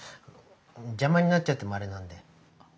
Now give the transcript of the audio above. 邪魔になっちゃってもあれなんで。